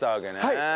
はい！